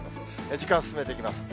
時間進めていきます。